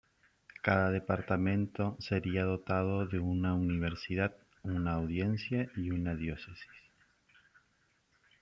Cada departamento sería dotado de una universidad, una audiencia y una diócesis.